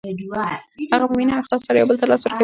هغوی په مینه او اخلاص سره یو بل ته لاس ورکوي.